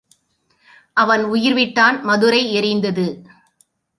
அவன் உயிர்விட்டான் மதுரை எரிந்தது.